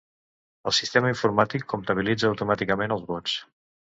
El sistema informàtic comptabilitza automàticament els vots.